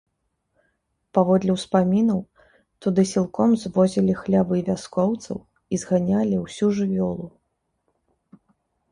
Паводле ўспамінаў, туды сілком звозілі хлявы вяскоўцаў і зганялі ўсю жывёлу.